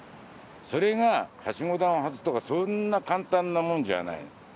それがはしごを外すとかそんな簡単なもんじゃない。